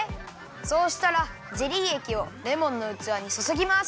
そうしたらゼリーえきをレモンのうつわにそそぎます。